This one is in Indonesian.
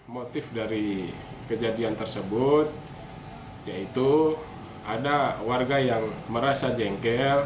motif dari kejadian tersebut yaitu ada warga yang merasa jengkel